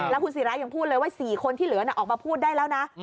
แล้วคุณศิรายังพูดเลยว่า๔คนที่เหลือออกมาพูดได้แล้วนะ